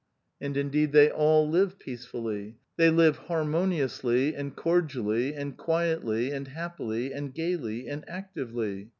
And indeed they all live peacefully. They live harmo niously and cordially and quietly and happily and gayly and actively.